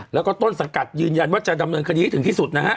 แล้วก็ต้นสังกัดยืนยันว่าจะดำเนินคดีให้ถึงที่สุดนะฮะ